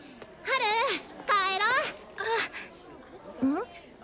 ん？